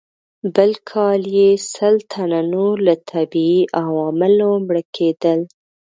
بل کال یې سل تنه نور له طبیعي عواملو مړه کېدل.